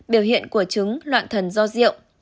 biểu hiện của chứng loạn thần do rượu